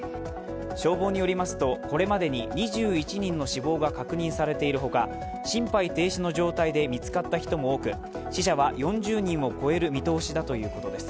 消防によりますとこれまでに２１人の死亡が確認されているほか心肺停止の状態で見つかった人も多く死者は４０人を超える見通しだということです。